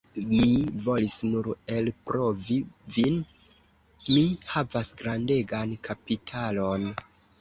Mi volis nur elprovi vin, mi havas grandegan kapitalon!